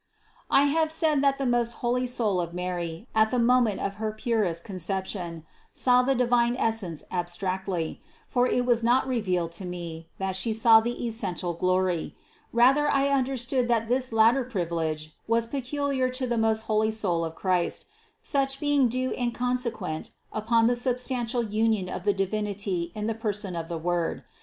I have said that the most holy soul of Mary, at the moment of her purest Conception, saw the divine Essence abstractively, for it was not revealed to me, that She saw the essential Glory; rather I understood that this latter privilege was peculiar to the most holy soul of Christ, such being due and consequent upon the substan tial union of the Divinity in the Person of the Word.